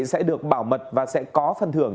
sẽ được bảo mật và sẽ có phân thưởng